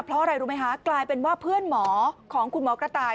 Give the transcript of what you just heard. เพราะอะไรรู้ไหมคะกลายเป็นว่าเพื่อนหมอของคุณหมอกระต่าย